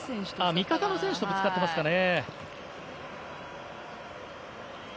味方の選手とぶつかっていますかね。